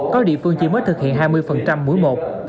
có địa phương chỉ mới thực hiện hai mươi mũi một